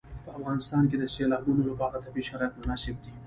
په افغانستان کې د سیلابونو لپاره طبیعي شرایط مناسب دي.